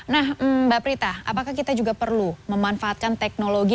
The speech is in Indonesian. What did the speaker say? nah mbak prita apakah kita juga perlu memanfaatkan teknologi